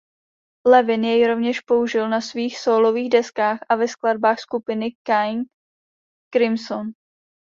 Levin jej rovněž použil na svých sólových deskách a ve skladbách skupiny King Crimson.